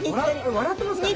笑ってますかね。